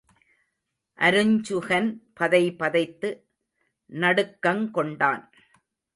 அருஞ்சுகன் பதைபதைத்து நடுக்கங் கொண்டான்.